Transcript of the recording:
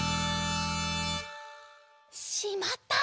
しまった！